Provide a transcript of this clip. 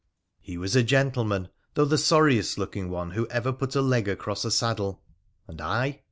He was a gentleman, though the sorriest looking one who ever put a leg across a saddlo. And I?